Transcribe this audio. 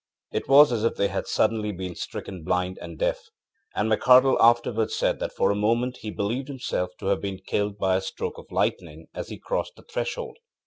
It was as if they had suddenly been stricken blind and deaf, and McArdle afterward said that for a moment he believed himself to have been killed by a stroke of lightning as he crossed the threshold.